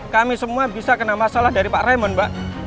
kami semua bisa kena masalah dari pak raymond